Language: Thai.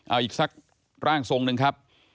เอาอีกสักร่างทรงหนึ่งครับ